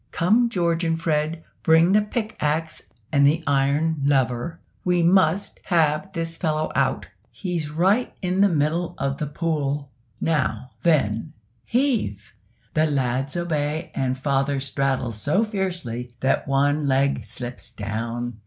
"Come, George and Fred, bring the pick axe and the iron lever, we must have this fellow out, he's right in the middle of the pool. Now, then, heave!" The lads obey, and father straddles so fiercely that one leg slips down.